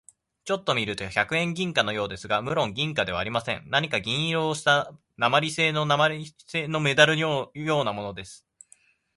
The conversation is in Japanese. ちょっと見ると百円銀貨のようですが、むろん銀貨ではありません。何か銀色をした鉛製なまりせいのメダルのようなものです。